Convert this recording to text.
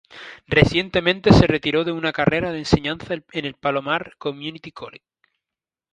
Recientemente se retiró de una carrera de enseñanza en el Palomar Community College.